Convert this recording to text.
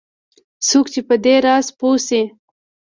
څوک چې په دې راز پوه شي